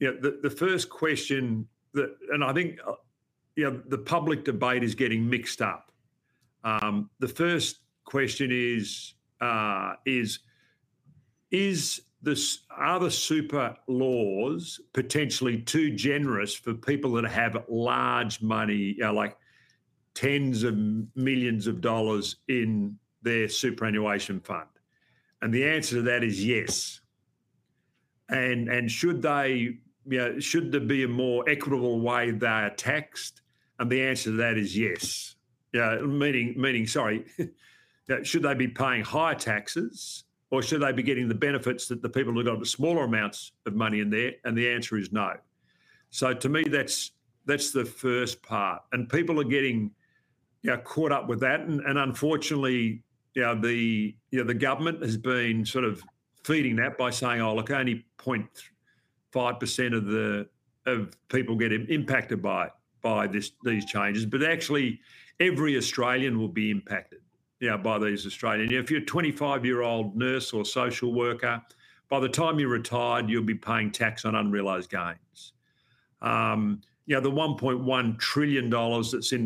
Speaker 4: The first question, and I think the public debate is getting mixed up, is whether the super laws are potentially too generous for people that have large money, like tens of millions of dollars in their superannuation fund. The answer to that is yes. Should there be a more equitable way they are taxed? The answer to that is yes. Meaning, should they be paying higher taxes or should they be getting the benefits that the people who have smaller amounts of money in there get? The answer is no. To me, that's the first part, and people are getting caught up with that. Unfortunately, the government has been sort of feeding that by saying, oh, look, only 0.5% of the people are getting impacted by these changes. Actually, every Australian will be impacted by these changes. If you're a 25-year-old nurse or social worker, by the time you're retired, you'll be paying tax on unrealized gains. The 1.1 trillion dollars that's in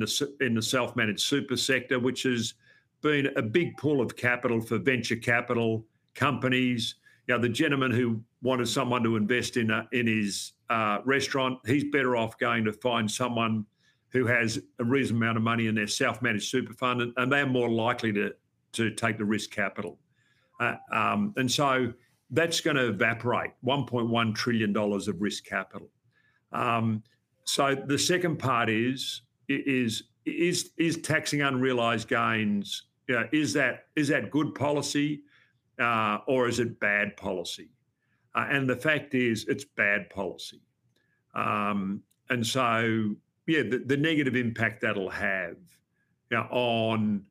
Speaker 4: the self-managed super sector has been a big pool of capital for venture capital companies. The gentleman who wanted someone to invest in his restaurant is better off going to find someone who has a reasonable amount of money in their self-managed super fund, and they're more likely to take the risk capital. That's going to evaporate 1.1 trillion dollars of risk capital. The second part is taxing unrealized gains. Is that good policy or is it bad policy? The fact is it's bad policy. The negative impact that'll have on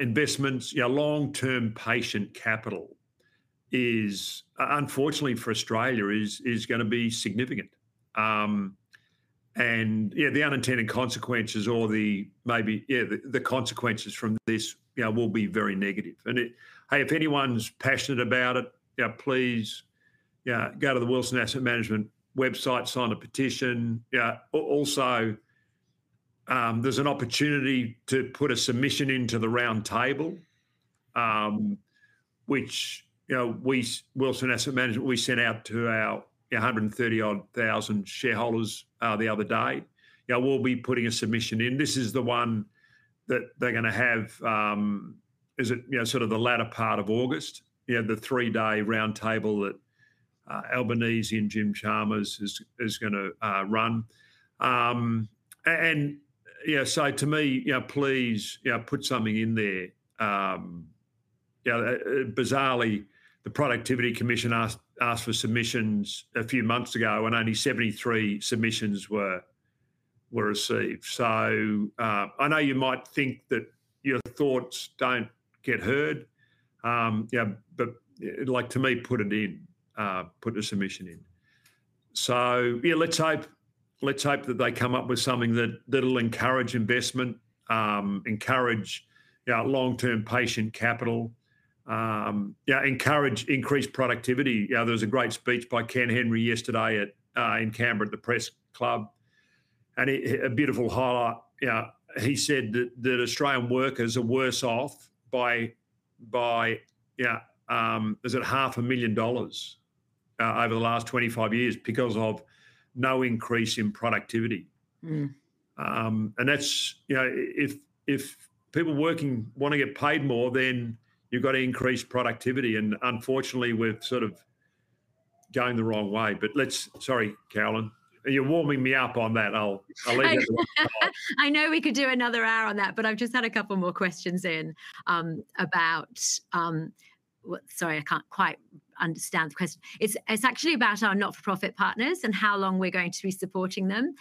Speaker 4: investments and long-term patient capital, unfortunately for Australia, is going to be significant. The unintended consequences, or maybe the consequences from this, will be very negative. If anyone's passionate about it, please go to the Wilson Asset Management website and sign a petition. Also, there's an opportunity to put a submission into the round table, which we, Wilson Asset Management, sent out to our 130,000 shareholders the other day. We'll be putting a submission in. This is the one that they're going to have, is it, you know, sort of the latter part of August, the three-day roundtable that Albanese and Jim Chalmers is going to run. To me, please, you know, put something in there. Bizarrely, the Productivity Commission asked for submissions a few months ago, and only 73 submissions were received. I know you might think that your thoughts don't get heard, but to me, put it in, put a submission in. Let's hope that they come up with something that'll encourage investment, encourage long-term patient capital, encourage increased productivity. There was a great speech by Ken Henry yesterday in Canberra, the Press Club, and a beautiful heart. He said that Australian workers are worse off by 500,000 dollars over the last 25 years because of no increase in productivity. If people working want to get paid more, then you've got to increase productivity. Unfortunately, we've sort of gone the wrong way. Sorry, Caroline, you're warming me up on that. I'll leave it there.
Speaker 1: I know we could do another hour on that, but I've just had a couple more questions in about what, sorry, I can't quite understand the question. It's actually about our not-for-profit partners and how long we're going to be supporting them,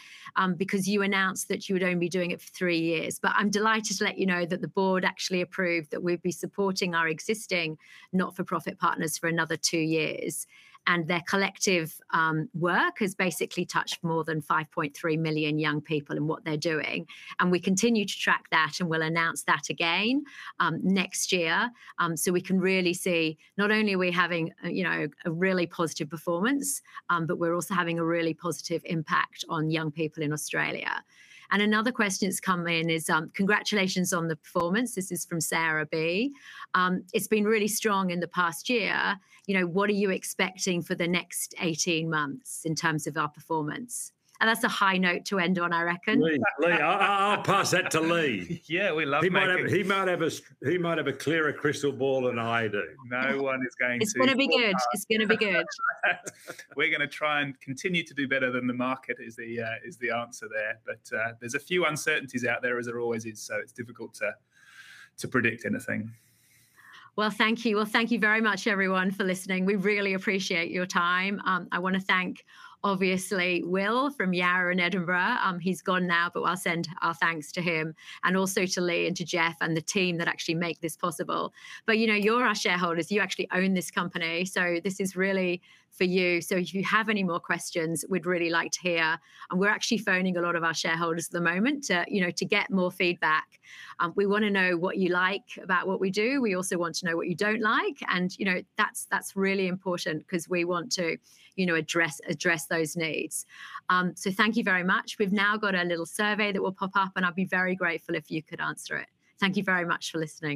Speaker 1: because you announced that you would only be doing it for three years. I'm delighted to let you know that the board actually approved that we'd be supporting our existing not-for-profit partners for another two years. Their collective work has basically touched more than 5.3 million young people and what they're doing. We continue to track that and we'll announce that again next year. We can really see not only are we having, you know, a really positive performance, but we're also having a really positive impact on young people in Australia. Another question that's come in is, congratulations on the performance. This is from Sarah B. It's been really strong in the past year. You know, what are you expecting for the next 18 months in terms of our performance? That's a high note to end on, I reckon.
Speaker 4: I'll pass that to Lee.
Speaker 3: Yeah, we love that.
Speaker 4: He might have a clearer crystal ball than I do.
Speaker 3: No one is going to.
Speaker 1: It's going to be good. It's going to be good.
Speaker 3: We're going to try and continue to do better than the market is the answer there. There are a few uncertainties out there, as there always is, so it's difficult to predict anything.
Speaker 1: Thank you very much, everyone, for listening. We really appreciate your time. I want to thank, obviously, Will from Yarra Edinburgh. He's gone now, but I'll send our thanks to him and also to Lee and to Geoff and the team that actually make this possible. You are our shareholders. You actually own this company, so this is really for you. If you have any more questions, we'd really like to hear. We're actually phoning a lot of our shareholders at the moment to get more feedback. We want to know what you like about what we do. We also want to know what you don't like. That's really important because we want to address those needs. Thank you very much. We've now got a little survey that will pop up, and I'd be very grateful if you could answer it. Thank you very much for listening.